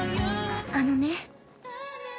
あのね。